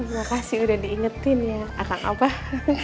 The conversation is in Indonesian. makasih udah diingetin ya akan abah